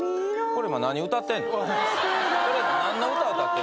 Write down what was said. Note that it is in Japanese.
これ何の歌歌ってんの？